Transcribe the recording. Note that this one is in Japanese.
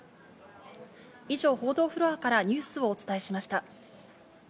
以上、報道フロアからニュースをお伝えしました。